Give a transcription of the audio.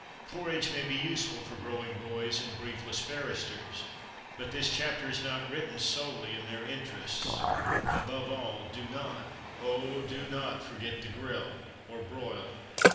Porridge may be useful for growing boys and briefless barristers, but this chapter is not written solely in their interests. Above all, do not, oh! do not, forget the grill, or broil.